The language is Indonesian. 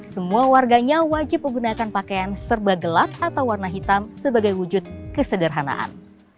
semua warganya wajib menggunakan pakaian serba gelap atau warna hitam sebagai wujud kesederhanaan